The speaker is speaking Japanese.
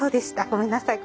ごめんなさい。